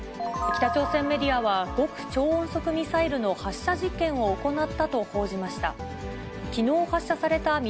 北朝鮮メディアは、極超音速ミサイルの発射実験を行ったと報じました。